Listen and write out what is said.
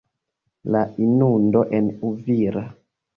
La inundo en Uvira.